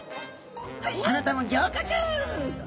はいあなたも合格」と。